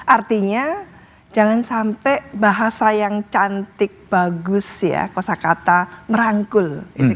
artinya jangan sampai bahasa yang cantik bagus ya kosa kata merangkul